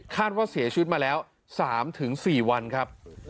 ว่าเสียชีวิตมาแล้ว๓๔วันครับ